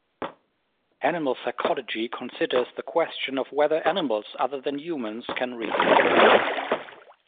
Animal psychology considers the question of whether animals other than humans can reason.